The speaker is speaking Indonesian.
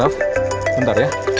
raff sebentar ya